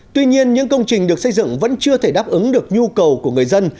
tuy nhiên những công trình được xây dựng vẫn chưa thể đáp ứng được nhu cầu của người dân